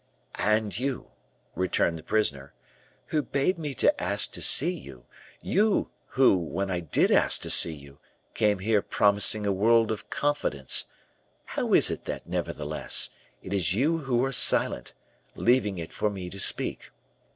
"And you," returned the prisoner, "who bade me to ask to see you; you, who, when I did ask to see you, came here promising a world of confidence; how is it that, nevertheless, it is you who are silent, leaving it for me to speak?